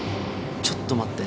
ちょっと待って。